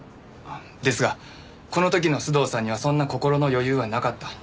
ですがこの時の須藤さんにはそんな心の余裕はなかった。